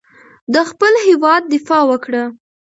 د خپل هېواد دفاع وکړه.